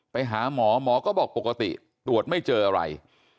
ไปหาหมอหมอก็บอกปกติตรวจไม่เจออะไร